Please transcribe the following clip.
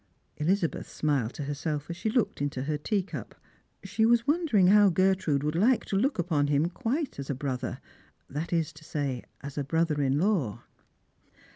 '' Elizabeth smiled to herself as she looked into her teacup. She was wondering how Gertrude would like to look upon him quite as a brother ; that is to say, as a brother in law.